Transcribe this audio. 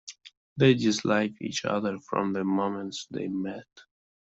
They disliked each other from the moment they met.